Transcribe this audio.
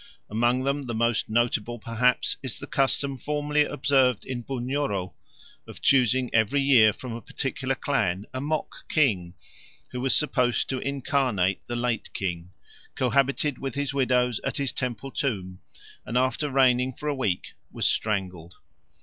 Among them the most notable perhaps is the custom formerly observed in Bunyoro of choosing every year from a particular clan a mock king, who was supposed to incarnate the late king, cohabited with his widows at his temple tomb, and after reigning for a week was strangled.